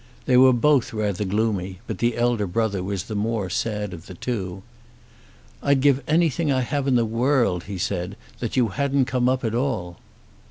They were both rather gloomy, but the elder brother was the more sad of the two. "I'd give anything I have in the world," he said, "that you hadn't come up at all."